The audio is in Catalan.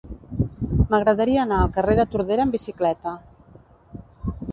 M'agradaria anar al carrer de Tordera amb bicicleta.